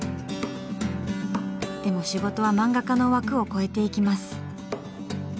でも仕事は漫画家の枠を超えていきます。